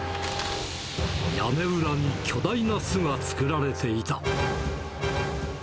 屋根裏に巨大な巣が作られていた。